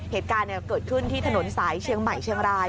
เหตุการณ์เกิดขึ้นที่ถนนสายเชียงใหม่เชียงราย